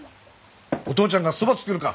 お父ちゃんがそば作るか？